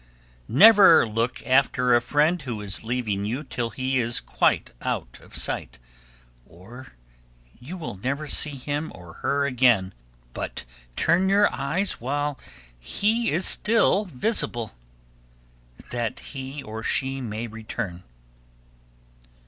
1304. Never look after a friend who is leaving you till he is quite out of sight, or you will never see him or her again; but turn your eyes away while he is still visible, that he or she may return.